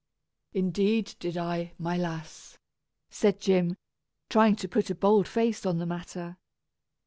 "Indeed, did I, my lass," said Jim, trying to put a bold face on the matter.